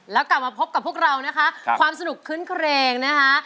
แล้วกลับมาพบกับพวกเรานะคะความสนุกขึ้นเครงนะคะ